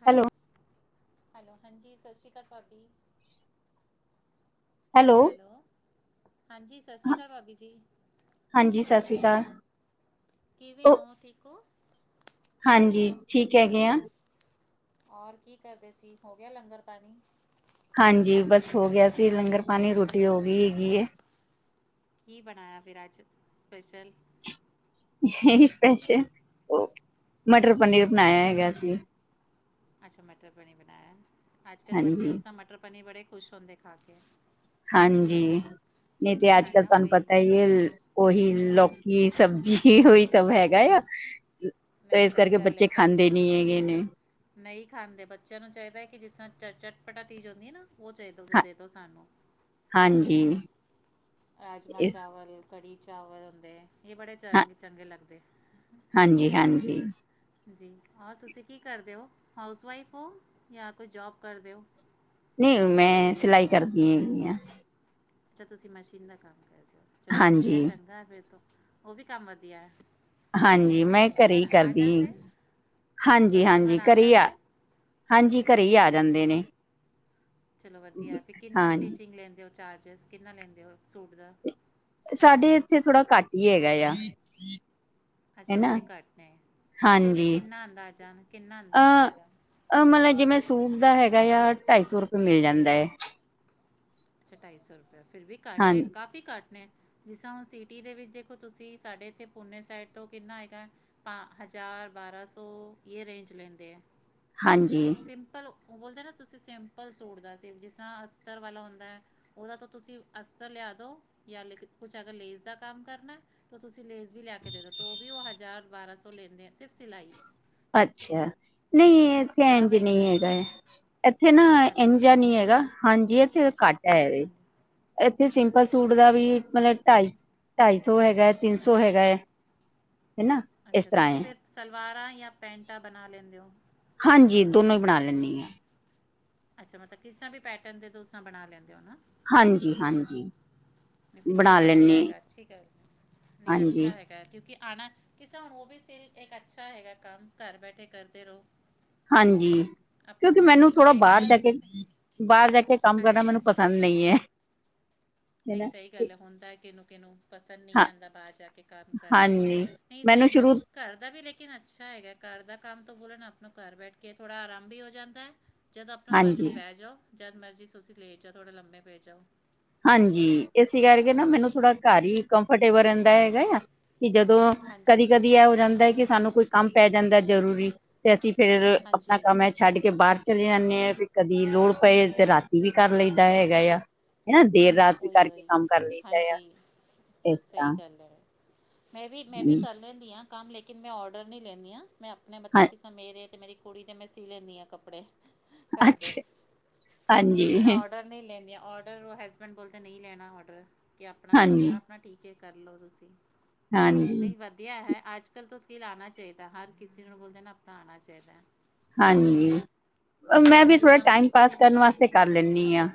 ਹੈ hello hello ਹਾਂਜੀ ਸਤਿ ਸ਼੍ਰੀ ਅਕਾਲ ਭਾਾਬੀ ਹੈਲੋ ਹਾਂਜੀ ਸਤਿ ਸ੍ਰੀ ਅਕਾਲ ਭਾਬੀ ਜੀ ਹਾਂਜੀ ਸਤਿ ਸ਼੍ਰੀ ਅਕਾਲ ਕਿਵੇਂ ਉਹ ਹੋ ਠੀਕ ਹੋ ਹਾਂਜੀ ਠੀਕ ਹੈਗੇ ਆ ਹੋਰ ਕੀ ਕਰਦੇ ਸੀ ਹੋ ਗਿਆ ਲੰਗਰ ਪਾਣੀ ਹਾਂਜੀ ਬਸ ਹੋ ਗਿਆ ਸੀ ਲੰਗਰ ਪਾਣੀ ਰੋਟੀ ਹੋ ਗਈ ਹੈਗੀ ਹੈ ਕੀ ਬਣਾਇਆ ਫਿਰ ਅੱਜ ਸਪੈਸ਼ਲ ਪੈਸੇ ਉਹ ਮਟਰ ਪਨੀਰ ਬਣਾਇਆ ਹੈਗਾ ਸੀ ਅੱਛਾ ਮਟਰ ਪਨੀਰ ਬਣਾਇਆ ਅੱਜ ਕੱਲ ਬੱਚੇ ਹਾਂਜੀ, ਉਸ ਤ ਮਟਰ ਪਨੀਰ ਬੜੇ ਖੁਸ਼ ਹੁੰਦੇ ਖਾ ਕੇ ਹਾਂਜੀ ਨਹੀਂ ਤੇ ਅੱਜ ਹੈ ਕੱਲ ਨਾ ਤੁਹਾਨੂੰ ਉਹੀ ਪਤਾ ਹੀ ਉਹੀ ਲੋਕ ਬਾੀ ਸਬਜ਼ੀ ਉਹੀ ਸਭ ਹੈਗਾ ਆ ਤੇ ਨਹੀਂ ਇਸ ਸਹੀ ਕਰਕੇ ਗੱਲ ਹੈ ਬੱਚੇ ਖਾਂਦੇ ਨੀ ਹੈਗੇ ਨੇ ਨਹੀਂ ਖਾਂਦੇ ਬੱਚਿਆਂ ਨੂੰ ਚਾਹੀਦਾ ਕਿ ਜਿਸ ਤਰ੍ਹਾਂ ਚ ਚਟਪਟਾਤੀੀਜ਼ ਹੁੰਦੀ ਨਾ ਉਹ ਚਾਹੀਦਾ ਹਾਂ ਦੇ ਤੋਂੋ ਸਾਨੂੰ ਹਾਂਜੀ ਰਾਜਮਾਂ ਇਸ ਚਾਵਲ ਕੜੀ ਚਾਵਲ ਹੁੰਦੇ ਇਹ ਬੜੇ ਚ ਹਾਂ ਚੰਗੇ ਲੱਗਦੇ ਹਾਂਜੀ ਹਾਂਜੀ ਜੀ ਔਰ ਤੁਸੀਂ ਕੀ ਕਰਦੇ ਹੋ ਹਾਊਸਵਾਈਫ ਹੋ ਜਾਂ ਕੋਈ ਜੋਬ ਕਰਦੇ ਹੋ ਨਹੀਂ ਮੈਂ ਸਿਲਾਈ ਕਰਦੀ ਹ ਅੱਛਾ ਤੁਸੀ ਮਸ਼ੀਨ ਦਾ ਕੰਮ ਕਰਦੇ ਹੋ ਚਲੋ ਵਧੀਆ ਹਾਂਜੀ ਚੰਗਾ ਫੇਿਰ ਤੋਂ ਉਹ ਵੀ ਕੰਮ ਵਧੀਆ ਹੈ ਹਾਂਜੀ ਮੈਂ ਘਰੇ ਕਸਟਮਰ ਆ ਕਰਦੀ ਜਾਂਦੇ ਹਾਂਜੀ ਕਸਟਮਰ ਹਾਂਜੀ ਘਰੇ ਆ ਜਾਂਦੇ ਹਾਂਜੀ ਘਰੇ ਹੀ ਆ ਜਾਂਦੇ ਨੇ ਚਲੋ ਵਧੀਆ ਫਿਰ ਕਿੰਨਾ ਹਾਂਜੀ ਸਟੀਚਿੰਗ ਲੈਂਦੇ ਹੋ ਚਾਰਜਿਸ ਕਿੰਨਾ ਲੈਂਦੇ ਹੋ ਸੂਟ ਦਾ ਸਾਡੇ ਇੱਥੇ ਥੋੜਾ ਘੱਟ ਹੀ ਹੈਗਾ ਆ ਅੱਛਾ ਹਨਾ ਉੱਥੇ ਘੱਟ ਨੇ ਫਿਰ ਵੀ ਹਾਂਜੀ- ਕਿੰਨਾ ਅੰਦਾਜ਼ਾ ਕਿੰਨਾ ਅੰਦਾਜ਼ਾ ਹੈਗਾ ਅਹ ਮਤਲਬ ਜਿਵੇਂ ਸੂਟ ਦਾ ਹੈਗਾ ਹੈਗਾ ਯ ਢਾਈ ਸੌ ਰੁਪਏ ਮਿਲ ਜਾਂਦਾ ਹੈ ਅੱਛਾ ਢਾਈ ਸੌ ਰੁਪਇਆ ਫਿਰ ਵੀ ਘੱਟ ਹਾਂ ਹੈ ਕਾਫੀ ਘੱਟ ਨੇ ਜਿਸ ਤਰ੍ਹਾਂ ਹੁਣ ਸਿਟੀ ਦੇ ਵਿੱਚ ਦੇਖੋ ਤੁਸੀਂ ਸਾਡੇ ਇੱਥੇ ਪੂਨੇ ਸਾਈਡ ਤੋਂ ਕਿੰਨਾ ਹੈਗਾ ਹਜ਼ਾਰ ਚਾਰ ਬਾਰਾਂ ਸੌ ਇਹ ਰੇਂਜ ਲੈਂਦੇ ਆ ਹਾਂਜੀ ਸਿੰਪਲ ਉਹ ਬੋਲਦੇ ਨਾ ਤੁਸੀਂ ਸਿੰਪਲ ਸੂਟ ਦਾ ਸੀ ਜਿਸ ਤਰਾ ਅਸਤਰ ਵਾਲਾ ਹੁੰਦਾ ਉਹਦਾ ਤਾਂ ਤੁਸੀਂ ਅਸਤਰ ਲਿਆ ਦੋ, ਜਾਂ ਕੁਛ ਅਗਰ ਲੈਸ ਦਾ ਕੰਮ ਕਰਨਾ ਤਾਂ ਤੁਸੀਂ ਲੇਸ ਲਿਆ ਕੇ ਦੇ ਦੋ ਤੋ ਵੀ ਉਹ ਹਜ਼ਾਰ ਬਾਰਾਂ ਸੌ ਲੈਂਦੇ ਆ ਸਿਰਫ ਸਿਲਾਈ ਅੱਛਾ ਨਹੀਂ ਇੱਥੇ ਬੜਾ ਇੰਜ ਮਹਿੰਗਾ ਨਹੀਂ ਇੱਥੇ ਹੈਗਾ ਨੇ ਹੈ ਇੱਥੇ ਨਾ ਅੱਛਾ ਇੰਝ ਉੱਥੇ ਨਹੀਂ ਹੈਗਾ ਹਾਂਜੀ ਇੱਥੇ ਘੱਟ ਹੈ ਹਾਂਜੀ ਇੱਥੇ ਸਿੰਪਲ ਨਹੀਂ ਸੂਟ ਦਾ ਚਲੋ ਵੀ ਮਤਲਬ ਢਾਈ ਢਾਈ ਸੌ ਹੈਗਾ ਹੈ ਤਿੰਨ ਸੌ ਹੈਗਾ ਹੈ ਹਨਾ ਇਸ ਅੱਛਾ ਤਰ੍ਹਾਂ ਤੁਸੀਂ ਹੈ ਫਿਰ ਸਲਵਾਰਾਂ ਯਾ ਪੈਂਟਾਂ ਬਣਾ ਲੈਂਦੇ ਹੋ ਹਾਂਜੀ ਦੋਨੋ ਹੀ ਬਣਾ ਲੈਂਦੀ ਹ ਅੱਛਾ ਮਤਲਬ ਕਿਸੀ ਵੀ ਪੈਟਰਨ ਦੇ ਤੁਸੀ ਬਣਾ ਲੈਂਦੇ ਹੋ ਨਾ ਹਾਂਜੀ ਹਾਂਜੀ ਨਹੀਂ ਬਣਾ ਚਲੋ ਵਧੀਆ ਲੈਂਨੀ ਹੈਗਾ ਅੱਛੀ ਗੱਲ ਹੈ ਨਹੀਂ ਹਾਂਜੀ ਅੱਛਾ ਹੈਗਾ ਹ ਨਾ ਕਿਸੇ ਹੁਣ ਉਹ ਵੀ ਸ ਇੱਕ ਅੱਛਾ ਹੈਗਾ ਕੰਮ ਘਰ ਬੈਠੇ ਕਰਦੇ ਰਹੋ ਹਾਂਜੀ ਆਪਣਾ ਕਿਉਂਕਿ ਮੈਨੂੰ ਥੋੜਾ ਟਾਈਮ ਬਾਹਰ ਜਾ ਪਾਸ ਕੇ, ਆਪਣੇ ਬਾਹਰ ਜਾ ਕੇ ਕੰਮ ਕਰਨਾ ਹਾਂਜੀ ਹਾਂ ਮੈਨੂੰ ਪਸੰਦ ਨਹੀਂ ਹੈ। ਨਹੀਂ ਹਨਾ ਸਹੀ ਗੱਲ ਹੈ ਹੁੰਦਾ ਕਿਨੂੰ, ਕਿਨੂੰ ਪਸੰਦ ਨਹੀਂ ਹਾਂ ਆਂਦਾ ਬਾਹਰ ਜਾ ਕੇ ਕੰਮ ਕਰਨਾ। ਹਾਂਜੀ ਨਈ ਮੈਨੂੰ ਸਹੀ ਗਲ ਸ਼ੁਰੂ ਘਰ ਦਾ ਵੀ ਲੇਕਿਨ ਅੱਛਾ ਹੈਗਾ ਘਰ ਦਾ ਕੰਮ ਤੋਂ ਬੋਲਨ ਘਰ ਬੈਠ ਕੇ ਥੋੜ੍ਹਾ ਆਰਾਮ ਵੀ ਹੋ ਜਾਂਦਾ, ਜਦੋਂ ਆਪਣਾ ਮਰਜ਼ੀ ਹਾਂਜੀ ਬਹਿ ਜਾਓ ਜਦ ਮਰਜੀ ਤੁਸੀਂ ਲੈਟ ਜਾਓ ਥੋੜੇ ਲੰਮੇ ਪੈ ਜਾਓ ਹਾਂਜੀ ਇਸ ਕਰਕੇ ਨਾ ਮੈਨੂੰ ਥੋੜਾ ਘਰ ਹੀ ਕੰਫਰਟੇਬਲ ਰਹਿੰਦਾ ਹੈਗਾ ਆ ਜਦੋਂ ਹਾਂਜੀ ਕਦੀ ਕਦੀ ਇਹ ਹੋ ਜਾਂਦਾ ਕਿ ਸਾਨੂੰ ਕੋਈ ਕੰਮ ਪੈ ਜਾਂਦਾ ਜਰੂਰੀ ਤੇ ਅਸੀਂ ਫੇਰ ਆਪਣਾ ਹਾਂਜੀ ਕੰਮ ਐਂ ਛੱਡ ਕੇ ਬਾਹਰ ਚਲੇ ਜਾਂਦੇ ਆ ਵੀ ਕਦੀ ਲੋੜ ਪਏ ਤੇ ਰਾਤੀ ਵੀ ਕਰ ਲਇਦਾ ਹੈਗਾ ਆ। ਹਨਾ ਦੇਰ ਰਾਤ ਵੀ ਉਹੀ ਕਰਕੇ ਉਹੀ ਕੰਮ ਕਰ ਲਈ ਦਾ ਯਾ ਹਾਂਜੀ ਇਸ ਸਹੀ ਤਰਾ ਗੱਲ ਹੈ ਮੈਂ ਵੀ ਮੈਂ ਵੀ ਕਰ ਲੈਂਦੀ ਹਾਂ ਕੰਮ ਲੇਕਿਨ ਮੈਂ ਔਡਰ ਨਹੀਂ ਲੈਂਦੀ ਹਾਂ ਮੈਂ ਆਪਣੇ ਮਤਲਬ ਹਾਂ ਕਿਸੇ ਮੇਰੇ ਤੇ ਮੇਰੀ ਕੁੜੀ ਤੇ ਮੈਂ ਸੀ ਲੈਂਦੀ ਹਾਂ ਕੱਪੜੇ। ਕਰਦੇ ਅੱਛਾ ਲੇਕਿਨ ਮੈਂ ਹਾਂਜੀ ਔਡਰ ਨਹੀਂ ਲੈਂਨੀ ਹਾਂ ਔਡਰ ਉਹ ਹੈ ਹਸਬੈਂਡ ਬੋਲਦੇ ਕੇ ਨਹੀਂ ਲੈਣਾ ਔਡਰ ਕਿ ਆਪਣਾ ਤੋਂ ਹਾਂਜੀ ਆਪਣ ਆਪਣਾ ਠੀਕ ਹੈ ਕਰ ਲਉ ਤੁਸੀਂ। ਹਾਂਜੀ ਨਹੀਂ ਵਧੀਆ ਹੈ। ਅੱਜ ਕਲ ਤਾਂ ਸਕਿੱਲ ਆਉਣਾ ਚਾਹੀਦਾ ਹਰ ਕਿਸੇ ਨੂੰ ਬੋਲਦੇ ਨਾ ਆਪਣਾ ਆਉਣਾ ਚਾਹੀਦਾ ਹੈ। ਹਾਂਜੀ ਮੈਂ ਹੁਣ ਵੀ ਥੋੜਾ ਜਿੱਦਾਂ ਮੇਰੀ ਟਾਈਮ ਪਾਸ ਕੁੜੀ ਕਰਨ ਵਾਸਤੇ ਕਰ ਲੈਂਨੀਂ ਹਾਂ।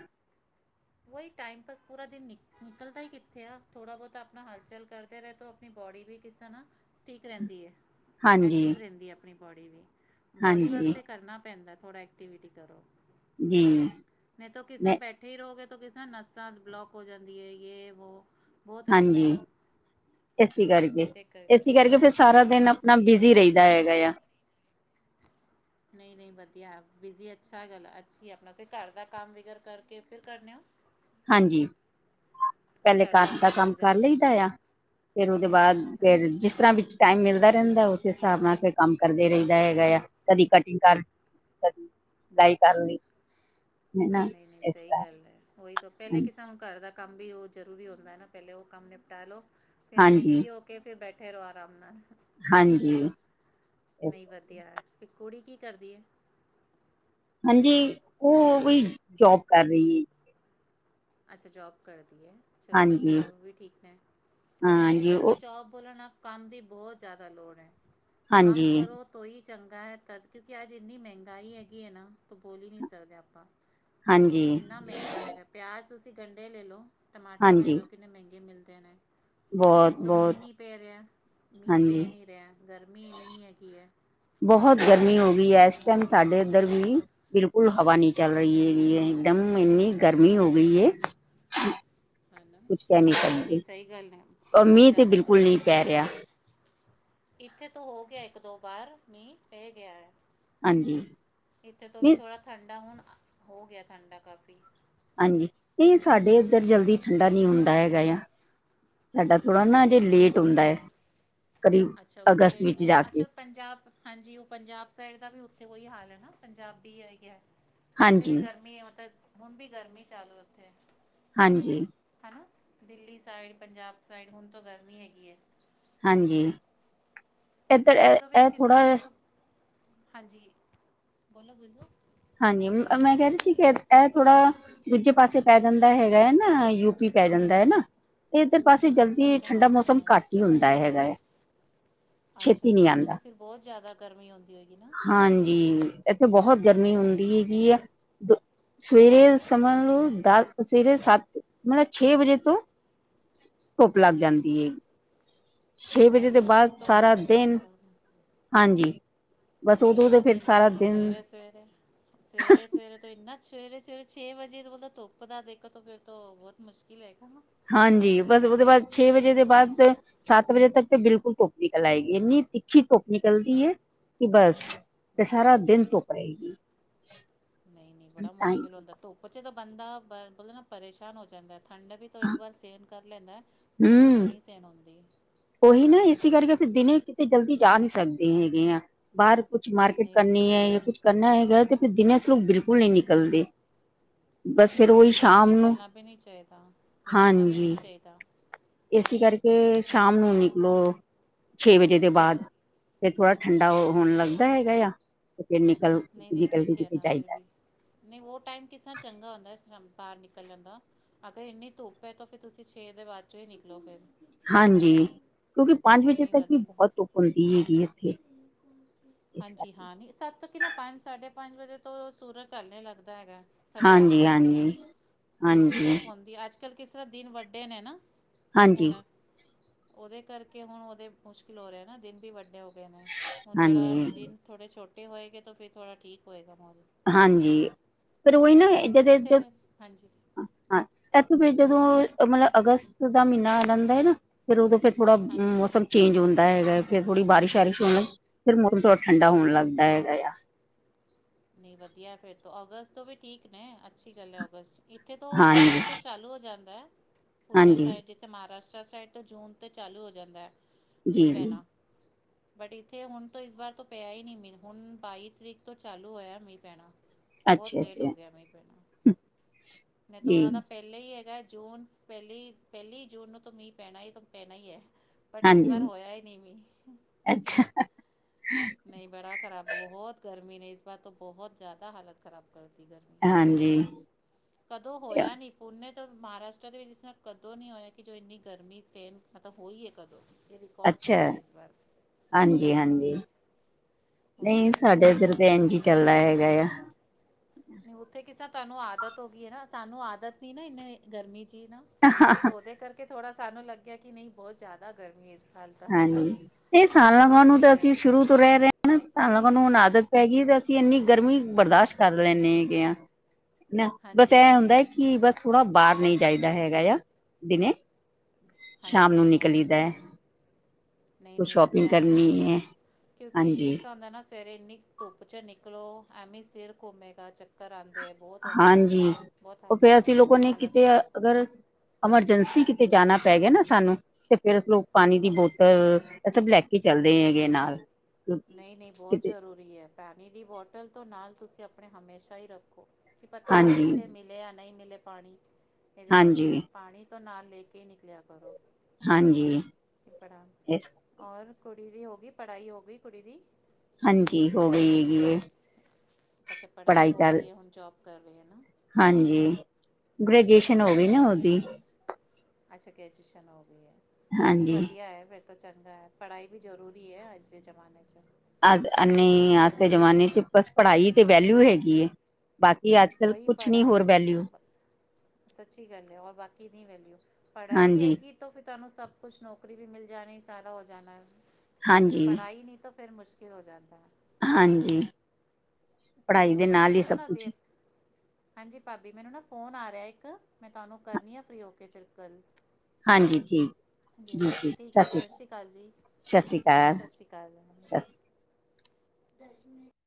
ਵੋਹੀ ਟਾਈਮ ਪਾਸ ਪੂਰਾ ਦਿਨ ਨਿਕਲਦਾ ਹੀ ਕਿੱਥੇ ਆ ਥੋੜਾ ਬਹੁਤਾ ਆਪਣਾ ਹਲਚਲ ਕਰਦੇ ਰਹੇ ਤੋ ਆਪਣੀ ਥੋੜੀ ਵੀ ਕਿਸ ਤਰਹਾਂ ਨਾ ਠੀਕ ਰਹਿੰਦੀ ਹੈ। ਹਾਂਜੀ ਐਕਟਿਵ ਰਹਿੰਦੀ ਹੈ ਆਪਣੀ ਬੋਡੀ ਵੀ ਬੋਡੀ ਹਾਂਜੀ ਵਾਸਤੇ ਕਰਨਾ ਪੈਂਦਾ। ਥੋੜਾ ਐਕਟੀਵਿਟੀ ਕਰੋ ਜੀ ਨਹੀਂ ਤਾਂ ਇਸ ਤਰ ਮੈਂ ਬੈਠੇ ਹੀ ਰਹੋਗੇ ਤਾਂ ਕਿਸ ਨਸਾਂ ਬਲੋਕ ਹੋ ਜਾਂਦੀ ਹੈ ਯੇ ਵੋ ਬਹੁਤ ਰਹਿੰਦਾ ਹਾਂਜੀ ਹੈ। ਇਸੀ ਕਰਕੇ ਨਹੀਂ ਤੇ ਇਸੀ ਕਰਕੇ ਫਿਰ ਨਹੀਂ ਸਾਰਾ ਦਿਨ ਸੱਚ ਆਪਣਾ ਬਿਜ਼ੀ ਰਹਿਦਾ ਹੈਗਾ ਆ। ਨਈ ਨਈ ਵਧੀਆ ਬਿਜ਼ੀ ਅੱਛਾ ਗੱਲ ਅੱਛੀ ਆਪਣਾ ਫਿਰ ਘਰ ਦਾ ਕੰਮ ਵਿਗਰ ਕਰਕੇ ਫਿਰ ਕਰਨੇ ਹੋ। ਹਾਂਜੀ। ਪਹਿਲੇ ਘਰ ਦਾ ਕੰਮ ਕਰ ਲਈਦਾ ਆ ਫੇਰ ਉਹਦੇ ਬਾਅਦ ਅੱਛਾ ਫਰ ਜੀ ਬਿਸਤਰਾਂ ਵਿੱਚ ਟਾਈਮ ਮਿਲਦਾ ਰਹਿੰਦਾ ਉਸੇ ਹਿਸਾਬ ਨਾਲ ਫਿਰ ਕੰਮ ਕਰਦੇ ਰਹਿਦਾ ਹੈਗਾ ਆ ਕਦੀ ਕਟਿੰਗ ਕਰ ਕਦੀ ਸਿਲਾਈ ਕਰਲੀ। ਨਹੀਂ ਨਹੀਂ ਸਹੀ ਗੱਲ ਹੈ। ਉਹੀ ਤੋਂ ਪਹਿਲੇ ਕਿ ਸਾਨੂੰ ਘਰ ਦਾ ਕੰਮ ਵੀ ਉਹ ਜਰੂਰੀ ਹੁੰਦਾ ਹੈ ਨਾ ਪਹਿਲੇ ਉਹ ਕੰਮ ਨਿਪਟਾ ਲੋ। ਫਿਰ ਐਵੇਂ ਹਾਂਜੀ ਫ੍ਰਰੀ ਹੋ ਕੇ ਫਿਰ ਬੈਠੇ। ਬੈਠੇ ਰਹੋ ਆਰਾਮ ਨਾਲ ਹਾਂਜੀ ਇਸ ਨਹੀਂ ਵਧੀਆ ਤੇ ਕੁੜੀ ਕੀ ਕਰਦੀ ਹੈ। ਹਾਂਜੀ ਉਹ ਕੋਈ ਜੋਬ ਕਰ ਰਹੀ ਹੈ। ਅੱਛਾ ਜੋਬ ਕਰਦੀ। ਚਲੋ ਹਾਂਜੀ ਵਧੀਆ ਉਹ ਵੀ ਠੀਕ ਹੈ। ਨਹੀਂ ਅੱਜ ਹਾਂਜੀ ਕੱਲ ਤਾਂ ਉਹ ਜੋਬ ਬੋਲਣਾ। ਕੰਮ ਦੀ ਬਹੁਤ ਜ਼ਿਆਦਾ ਲੋੜ ਹੈ। ਹਾਂਜੀ ਕੰਮ ਕਰੋ ਤੋਂ ਉਹੀ ਚੰਗਾ ਹੈ ਤਾਂ ਕਿਉਂਕਿ ਅੱਜ ਇੰਨੀ ਮਹਿੰਗਾਈ ਹੈਗੀ ਹੈ ਨਾ ਤੋਂ ਬੋਲ ਹੀ ਨਹੀਂ ਸਕਦੇ ਆਪਾਂ। ਕੀ ਕੀ ਹਾਂਜੀ ਕਿੰਨਾ ਮਹਿੰਗਾ ਹੈਗਾ ਪਿਆਜ਼ ਤੁਸੀਂ ਗੰਡੇ ਲੈ ਲਓ। ਟਮਾਟਰ ਲੈ ਹਾਂਜੀ ਲਓ ਕਿੰਨੇ ਮਹਿੰਗੇ ਮਿਲਦੇ ਨੇ ਬਹੁਤ ਇੱਕ ਤਾਂ ਬਹੁਤ ਮੀਂਹ ਨੀ ਪੈ ਰਿਹਾ ਹੈ। ਮੀਂਹ ਹਾਂਜੀ ਪੈ ਨੀ ਰਿਹਾ। ਗਰਮੀ ਇੰਨੀ ਹੈਗੀ ਹੈ। ਬਹੁਤ ਗਰਮੀ ਹੋ ਗਈ ਹੈ ਇਸ ਟਾਈਮ ਸਾਡੇ ਇੱਧਰ ਵੀ ਬਿਲਕੁਲ ਹਵਾ ਨਹੀਂ ਚੱਲ ਰਹੀ ਹੈਗੀ ਹੈ। ਇਕਦਮ ਇੰਨੀ ਗਰਮੀ ਹੋ ਗਈ ਹੈ। ਕੁਛ ਕਹਿ ਨਹੀਂ ਨਹੀਂ ਸਕਦੇ ਸਹੀ ਗੱਲ ਹੈ ਔਰ ਬਹੁਤ ਮੀਂਹ ਤੇ ਜ਼ਿਆਦਾ ਬਿਲਕੁਲ ਗਰਮੀ। ਨਹੀਂ ਪੈ ਰਿਹਾ ਇੱਥੇ ਤੋਂ ਹੋ ਗਿਆ ਇੱਕ ਦੋ ਵਾਰ ਮੀਂਹ ਪੈ ਗਿਆ ਹੈ। ਹਾਂਜੀ ਇੱਥੇ ਤੋਂ ਵੀ ਨਹੀਂ ਥੋੜਾ ਠੰਡਾ ਹੁਣ ਹੋ ਗਿਆ ਠੰਡਾ ਕਾਫੀ। ਹਾਂਜੀ ਨਹੀਂ ਸਾਡੇ ਇੱਧਰ ਜਲਦੀ ਠੰਡਾ ਨਹੀਂ ਹੁੰਦਾ ਹੈਗਾ ਆ। ਸਾਡਾ ਥੋੜਾ ਨਾ ਅਜੇ ਨਹੀਂ ਲੇਟ ਹੁੰਦਾ ਹੈ। ਕਰੀਬ ਅੱਛਾ ਉੱਥੇ ਅਗਸਤ ਲੇਟ ਵਿੱਚ ਜਾ ਕੇ ਅੱਛਾ ਪੰਜਾਬ ਹਾਂਜੀ ਉਹ ਪੰਜਾਬ ਸਾਈਡ। ਦਾ ਵੀ ਉਥੇ ਉਹੀਂ ਹਾਲ ਹੈ ਨਾ ਪੰਜਾਬੀ [unintelligible] ਉੱਥੇ ਵੀ ਹਾਂਜੀ ਗਰਮੀ ਹੈ। ਮਤਲਬ ਹੁਣ ਵੀ ਗਰਮੀ ਚੱਲ। ਹਾਂਜੀ। ਦਿੱਲੀ ਸਾਈਡ ਪੰਜਾਬ ਸਾਈਡ ਹੁਣ ਤੋਂ ਗਰਮੀ ਹੈਗੀ ਹੈ। ਹਾਂਜੀ ਏਧਰ ਇਹ ਇੱਥੇ ਤੋਂ ਵੀ ਇਹ ਕਿਸ ਤਰ੍ਹਾਂ ਥੋੜਾ ਹੁਣ ਜਿਹਾ। ਤੋਂ ਹਾਂਜੀ ਬੋਲੋ ਬੋਲੋ। ਹਾਂਜੀ ਮੈਂ ਕਹਿ ਰਹੀ ਸੀ ਕਿ ਇਹ ਥੋੜਾ ਦੂਜੇ ਪਾਸੇ ਪੈ ਜਾਂਦਾ ਹੈਗਾ ਹੈ ਨਾ ਯੂਪੀ। ਪੈ ਜਾਂਦਾ ਏ ਨਾ ਤੇ ਇਹਦੇ ਪਾਸੇ ਅੱਛਾ ਜਲਦੀ ਅੱਛਾ ਠੰਡਾ ਹਾਂਜੀ ਮੌਸਮ ਹਾਂ ਘੱਟ ਹੀ ਹੁੰਦਾ ਹੈਗਾ ਐ। ਅੱਛਾ ਛੇਤੀ ਨੀ ਨਹੀਂ ਉੱਥੇ ਆਂਦਾ। ਤਾਂ ਫਿਰ ਬਹੁਤ ਜ਼ਿਆਦਾ ਗਰਮੀ ਹੁੰਦੀ ਹੋਏਗੀ ਨਾ ਹਾਂਜੀ, ਇੱਥੇ ਬਹੁਤ ਗਰਮੀ। ਗਰਮੀ ਹੁੰਦੀ ਬਹੁਤ ਹੈਗੀ ਆ। ਸਵੇਰੇ ਸਮਝ ਲੋ ਦਸ ਸਵੇਰੇ ਸੱਤ ਮਤਲਬ ਛੇ ਵਜੇ ਤੋਂ। ਧੁੱਪ ਲੱਗ ਹਾਂਜੀ ਜਾਂਦੀ ਐ। ਛੇ ਵਜੇ ਤੋਂ ਅਰੇ ਫਿਰ ਬਾਅਦ ਤਾਂ ਸਾਰਾ ਬੁਰਾ ਦਿਨ, ਕਰਾਂਗੇ ਹਾਂਜੀ। ਬਸ ਉਦੋਂ ਤੋ ਫੇਰ ਸਾਰਾ ਦਿਨ। [inaudible] ਸਵੇਰੇ-ਸਵੇਰੇ ਤੋਂ ਇੰਨਾ ਸਵੇਰੇ-ਸਵੇਰੇ ਛੇ ਵਜੇ ਤੋਂ ਧੁੱਪ ਦਾ ਦੇਖੋ ਤੋਂ ਫੇਰ ਤੋਂ ਬਹੁਤ ਮੁਸ਼ਕਿਲ ਹੈਗਾ। ਹਾਂਜੀ, ਬਸ ਉਹਦੇ ਬਾਅਦ ਛੇ ਵਜੇ ਦੇ ਬਾਅਦ ਸੱਤ ਵਜੇ ਤੱਕ ਤੇ ਬਿਲਕੁਲ ਧੁੱਪ ਨਿਕਲ ਆਏਗੀ ਇੰਨੀ। ਤਿੱਖੀ ਧੁੱਪ ਨਿਕਲਦੀ ਹੈ। ਕਿ ਬਸ ਫੇਰ ਬਾਈ ਸਾਰਾ ਦਿਨ ਧੁੱਪ ਰਹੇਗੀ। ਨਹੀਂ ਨਹੀਂ ਬੜਾ ਤਾਂ ਮੁਸ਼ਕਿਲ ਹੁੰਦਾ ਧੁੱਪ ਚ ਤਾਂ ਬੰਦਾ ਬ ਮਤਲਬ ਨਾ ਪਰੇਸ਼ਾਨ ਹੋ ਜਾਂਦਾ ਹੈ। ਠੰਡ ਵੀ ਤੋ ਇੱਕ ਵਾਰ ਸੇਨ ਕਰ ਲੈਂਦਾ ਨਾ ਬਟ ਧੁੱਪ ਹਮ ਨਹੀਂ ਸੇਨ ਹੁੰਦੀ। ਉਹੀ ਨਾ ਇਸ ਕਰਕੇ ਫੇਰ ਦਿਨੇ ਕਿਤੇ ਜਲਦੀ ਜਾ ਨਹੀਂ ਸਕਦੇ ਹੈਗੇ ਆ ਬਾਹਰ। ਕੁਛ ਮਾਰਕੀਟ ਨਹੀਂ ਨਹੀਂ ਕਰਨੀ ਸਹੀ ਐ ਜਾਂ ਗੱਲ ਕੁਛ ਕਰਨਾ ਹੈਗਾ ਤੇ ਫਿਰ ਦਿਨੇ ਅਸੀਂ ਬਿਲਕੁਲ ਨਹੀਂ ਨਿਕਲਦੇ। ਬਸ ਨਹੀਂ ਫਿਰ ਉਹੀ ਚੰਗੀ ਗੱਲ ਐ, ਸ਼ਾਮ ਨੂੰ ਨਿਕਲਣਾ ਵੀ ਨਹੀਂ ਚਾਹੀਦਾ, ਨਿਕਲਣਾ ਵੀ ਨਹੀਂ ਚਾਹੀਦਾ। ਇਸੀ ਕਰਕੇ ਸ਼ਾਮ ਨੂੰ ਨਿਕਲੋ? ਛੇ ਵਜੇ ਦੇ ਬਾਅਦ ਫੇਰ ਥੋੜਾ ਠੰਡਾ ਹੋਣ ਲੱਗਦਾ ਹੈਗਾ ਆ। ਫਿਰ ਨਿਕਲ ਨਹੀਂ-ਨਹੀਂ ਨਿਕਲ ਕੇ ਠੀਕ ਐ, ਕਿਤੇ ਨਾ ਫਿਰ ਜਾਈਦਾ ਵੀ ਨਹੀਂ ਉਹ ਟਾਈਮ ਕਿਸ ਤਰ੍ਹਾਂ ਚੰਗਾ ਹੁੰਦਾ। ਬਾਹਰ ਨਿਕਲ ਜਾਂਦਾ। ਅਗਰ ਇੰਨੀ ਧੁੱਪ ਹੈ ਤੋਂ ਫੇਰ ਤੁਸੀਂ ਛੇ ਦੇ ਬਾਅਦ ਚੋਂ ਹੀ ਨਿਕਲੋ ਫਿਰ। ਹਾਂਜੀ। ਕਿਉਂਕਿ ਪੰਜ ਵਜੇ ਨਹੀਂ ਤੱਕ ਵੀ ਵਧੀ ਬਹੁਤ ਧੁੱਪ ਹੈਗੀ ਇੱਥੇ, ਇਸ ਕਰਕੇ। ਕਿਉਂਕਿ ਨਾ ਪੰਜ ਸਾਢੇ ਪੰਜ ਵਜੇ ਤੋਂ ਸੂਰਜ ਢਲਣੇ ਲੱਗਦਾ ਹੈਗਾ ਏ। ਹਾਂਜੀ-ਹਾਂਜੀ, ਹਾਂਜੀ। ਅੱਜ-ਕੱਲ ਕਿਸ ਤਰ੍ਹਾਂ ਦਿਨ ਵੱਡੇ ਨੇ ਨਾ। ਹਾਂਜੀ। ਹੁਣ ਉਹਦੇ ਕਰਕੇ ਹੁਣ ਉਹਦੇ ਮੁਸ਼ਕਿਲ ਹੋ ਰਿਹਾ ਨਾ ਦਿਨ ਵੀ ਵੱਡੇ ਹੋ ਗਏ ਨੇ ਹੁਣ ਜਿਹੜਾ ਹਾਂਜੀ ਦਿਨ ਥੋੜੇ ਛੋਟੇ ਹੋਏਗੇ ਤਾਂ ਫਿਰ ਥੋੜਾ ਠੀਕ ਹੋਏਗਾ। ਮਾਹੌਲ ਹਾਂਜੀ, ਫੇਰ ਉਹੀ ਨਾ ਨਹੀਂ ਇਦੇ ਅਸੀਂ ਜਿਦ ਜਿੱਥੇ ਹਾਂਜੀ ਹਾਂ ਫਿਰ ਹਾਂ ਜਦੋਂ ਮਤਲਬ ਅਗਸਤ ਦਾ ਮਹੀਨਾ ਆ ਜਾਂਦਾ ਹੈ ਨਾ ਫੇਰ ਉਦੋਂ ਫਿਰ ਥੋੜ੍ਹਾ ਹਾਂਜੀ ਮੌਸਮ ਚੇਂਜ ਹੁੰਦਾ ਹੈਗਾ। ਫਿਰ ਥੋੜੀ ਬਾਰਿਸ਼ ਵਾਰਿਸ਼ ਹੋਣ ਫੇਰ ਮੌਸਮ ਥੋੜਾ ਠੰਡਾ ਹੋਣ ਲੱਗਦਾ ਹੈਗਾ ਆ। ਨਹੀਂ ਵਧੀਆ ਫਿਰ ਤੋਂ ਔਗਸਤ ਤੋਂ ਵੀ ਠੀਕ ਨੇ ਅੱਛੀ ਗੱਲ ਹੈ ਔਗਸਤ ਇੱਥੇ ਤੋਂ ਜੂਨ ਹਾਂਜੀ ਤੋਂ ਚਾਲੂ ਹੋ ਜਾਂਦਾ ਏ ਪੂਨੇ ਹਾਂਜੀ ਸਾਈਡ ਜਿੱਥੇ ਮਹਾਰਾਸ਼ਟਰ ਸਾਈਡ ਤੋਂ ਜੂਨ ਤੇ ਚਾਲੂ ਹੋ ਜਾਂਦਾ ਹੈ, ਮੀਂਹ ਜੀ ਜੀ ਪੈਣਾ ਬਟ ਇੱਥੇ ਹੁਣ ਤ ਇਸ ਵਾਰ ਤੋਂ ਪਿਆ ਹੀ ਨਹੀ ਮੀਂਹ, ਹੁਣ ਬਾਈ ਤਰੀਕ ਤੋਂ ਚਾਲੂ ਹੋਇਆ ਮੀਂਹ ਪੈਣਾ। ਬਹੁਤ ਅੱਛਾ ਲੇਟ ਹੋ ਅੱਛਾ ਗਿਆ ਮੀਂਹ ਪੈਣਾਂ, ਨਹੀਂ ਤਾਂ ਜੀ ਉਹਨਾ ਦਾ ਪਹਿਲੇ ਹੀ ਹੈਗਾ। ਜੂਨ ਪਹਿਲੀ, ਪਹਿਲੀ ਜੂਨ ਨੂੰ ਤਾਂ ਮੀਂਹ ਪੈਣਾ ਤਾਂ ਪੈਣਾ ਹੀ ਏ। ਬਟ ਇਸ ਵਾਰ ਹਾਂਜੀ ਹੋਇਆ ਹੀ ਨੀ ਵੀ। ਅੱਛਾ ਨਹੀਂ ਬੜਾ ਖਰਾਬ ਬਹੁਤ ਗਰਮੀ ਨੇ ਇਸ ਬਾਰ ਤਾਂ ਬਹੁਤ ਜ਼ਿਆਦਾ ਹਾਲਤ ਖਰਾਬ ਗਰਮੀ, ਹਾਂਜੀ ਕਦੋਂ ਹੋਇਆ ਨੀ ਪੂਨੇ ਮਹਾਰਾਸ਼ਟਰ ਦੇ ਵਿੱਚ ਇਸ ਤਰ੍ਹਾਂ ਕਦੋਂ ਨਹੀ ਹੋਇਆ ਕਿ ਜੋ ਇੰਨੀ ਗਰਮੀ ਸੇਨ ਮਤਲਬ ਹੋਈ ਹੈ ਕਦੋਂ ਇਹ ਰਿਕਾਰਡ ਅੱਛਾ, ਤੋੜਿਆ ਇਸ ਵਾਰ ਹਾਂਜੀ ਹਾਂਜੀ-ਹਾਂਜੀ। ਉਹੀ ਨਹੀਂ ਸਾਡੇ ਇੱਧਰ ਤਾਂ ਐੰਜ ਹੀ ਚੱਲਦਾ ਹੈਗਾ ਆ। ਨਹੀਂ ਉੱਥੇ ਕਿਸ ਤੁਹਾਨੂੰ ਆਦਤ ਹੋ ਗਈ ਹੈ, ਨਾ ਸਾਨੂੰ ਆਦਤ ਨੀ ਨਾ ਇਨੇ ਗਰਮੀ ਨਾ ਤਾਂ ਉਹਦੇ ਕਰਕੇ ਥੋੜਾ ਸਾਨੂੰ ਲੱਗਿਆ ਕਿ ਨਹੀਂ ਬਹੁਤ ਜ਼ਿਆਦਾ ਗਰਮੀ ਏ। ਹਾਂਜੀ, ਇਹ ਸਾਲ ਲ ਨੂੰ ਤਾਂ ਅਸੀਂ ਕਰਕੇ ਸ਼ੁਰੂ ਤੋਂ ਰਹਿ ਰਹੇ ਹਾਂ ਨਾ ਸਾਲ ਨੂੰ ਆਦਤ ਪੈ ਗਈ ਤੇ ਅਸੀਂ ਇੰਨੀ ਗਰਮੀ ਬਰਦਾਸ਼ਤ ਕਰ ਲੈਂਦੇ ਹੈਗੇ ਆ। ਨਾ, ਬਸ ਹਾਂਜੀ ਇਹ ਹਾਂਜੀ ਹੁੰਦਾ ਹੈ ਕਿ ਬਸ ਥੋੜਾ ਬਾਹਰ ਨਹੀਂ ਜਾਈਦਾ ਹੈਗਾ ਆ, ਦਿਨੇ ਸ਼ਾਮ ਨੂੰ ਹਾਂਜੀ ਨਿਕਲੀ ਦਾ ਏ। ਨਹੀਂ ਨਹੀਂ ਵਧੀਆ ਨਾ ਠੀਕ ਹੈ ਨਾ ਕਿਉਂਕਿ ਕਿ ਹਾਂਜੀ ਤਰਾਂ ਹੁੰਦਾ ਨਾ ਸਵੇਰੇ ਇੰਨੀ ਧੁੱਪ ਚ ਨਿਕ। ਨਿਕਲੋ ਐਵੇਂ ਸਿਰ ਘੁੰਮੇਗਾ ਚੱਕਰ ਆਉਂਦੇ ਹੈ ਬਹੁਤ ਹੁੰਦਾ ਹੈ। ਹਾਂਜੀ ਬਹੁਤ ਉਹ ਫਿਰ ਅਸੀਂ ਹਾਲਤ ਲੋਕਾਂ ਬਹੁਤ ਨੇ ਹਾਲਤ ਕਿਤੇ ਖਰਾਬ ਹੁੰਦੀ ਅਗਰ ਐਮਰਜੈਂਸੀ। ਤੇ ਜਾਣਾ ਪੈ ਗਿਆ ਨਾ ਸਾਨੂੰ ਤੇ ਫੇਰ ਪਾਣੀ ਦੀ ਹਾਂਜੀ ਬੋਤਲ। ਇਹ ਸਭ ਲੈ ਕੇ ਚੱਲਦੇ ਹੈਗੇ ਨਾਲ। ਕਿਉਂਕਿ ਨਹੀਂ ਨਹੀਂ ਬਹੁਤ ਕਿਤੇ ਜ਼ਰੂਰੀ ਹੈ ਪਾਣੀ ਦੀ ਬੋਟਲ ਤੋਂ ਨਾਲ ਤੁਸੀਂ ਆਪਣੇ ਹਮੇਸ਼ਾ ਹੀ ਰੱਖੋ। ਕੀ ਪਤਾ ਹੁੰਦਾ ਹਾਂਜੀ ਕਿੱਥੇ ਮਿਲੇ ਜਾਂ ਨਹੀਂ ਮਿਲੇ ਪਾਣੀ ਇਹਦੇ ਹਾਂਜੀ ਕਰਕੇ ਪਾਣੀ ਤੋਂ ਨਾਲ ਲੈ ਕੇ। ਕੇ ਨਿਕਲਿਆ ਕਰੋ ਹਾਂਜੀ ਕੀ ਪੜਾ ਇਸ ਔਰ ਕੁਛ। ਕੁੜੀ ਦੀ ਹੋ ਗਈ ਪੜ੍ਹਾਈ ਹੋ ਗਈ ਕੁੜੀ ਦੀ? ਹਾਂਜੀ ਹੋ ਗਈ ਹੈਗੀ ਇਹ। ਅੱਛਾ ਪੜ੍ਹਾਈ ਹੋ ਗਈ ਹੈ ਹੁਣ ਜੋਬ ਕਰ ਰਹੇ ਹੋ। ਹਾਂਜੀ ਨਹੀਂ ਗ੍ਰੈਜੂਏਸ਼ਨ ਹੋ ਗਈ ਵਧੀਆ ਨਾ ਉਹਦੀ। ਚਲੋ ਫਿਰ ਨਹੀਂ ਹਾਂਜੀ ਵਧੀਆ ਹੈ ਫਿਰ। ਤਾਂ ਚੰਗਾ ਹੈ ਪੜ੍ਹਾਈ ਵੀ ਜ਼ਰੂਰੀ ਹੈ ਅੱਜ ਦੇ ਜ਼ਮਾਨੇ 'ਚ ਅਜ ਇਨੀ ਅਜ ਦੇ ਜਮਾਨੇ ਚ ਬਸ ਪੜ੍ਹਾਈ ਦੀ ਤੇ ਵੈਲਊ ਹੈਗੀ ਏ। ਅੱਜ ਕੱਲ੍ਹ ਵਹੀ ਕੁਛ ਨਹੀਂ ਪੜ੍ਹਾਈ ਹੋਰ ਹੈ ਵੈਲਿਊ। ਸੱਚੀ ਗੱਲ ਹੈ ਹੋਰ ਬਾਕੀ ਦੀ ਵੈਲਿਊ ਪੜ੍ਹਾਈ ਹਾਂਜੀ ਹੈਗੀ ਫਿਰ ਤੁਹਾਨੂੰ ਸਭ ਕੁਛ ਨੌਕਰੀ ਵੀ ਮਿਲ ਜਾਣੀ ਸਾਰਾ ਹੋ ਜਾਣਾ ਲੇਕਨ ਹਾਂਜੀ ਪੜ੍ਹਾਈ ਨਹੀਂ ਤਾਂ। ਫੇਰ ਮੁਸ਼ਕਿਲ ਹੋ ਜਾਂਦਾ। ਹਾਂਜੀ ਪੜ੍ਹਾਈ ਦੇ ਅੱਛਾ ਨਾਲ ਹੀ ਸਭ ਕੁਛ ਸੁਣਦੇ ਹਾਂਜੀ। ਮੈਨੂੰ ਨਾ ਫੋਨ ਆ ਰਿਹਾ ਇੱਕ ਮੈਂ ਤੁਹਾਨੂੰ ਕਰਨੀ ਆ ਫਰੀ ਹੋ ਕੇ ਫਿਰ ਗੱਲ। ਹਾਂਜੀ ਠੀਕ ਠੀਕ ਹੈ, ਸਤਿ ਸ਼੍ਰੀ ਅਕਾਲ ਜੀ, ਸਤਿ ਸ਼੍ਰੀ ਅਕਾਲ ਸਤਿ ਸ਼੍ਰੀ ਅਕਾਲ। ਸਤਿ ਸ਼੍ਰੀ [inaudible]